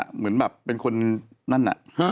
เหมือนแบบเป็นคนนั่นน่ะ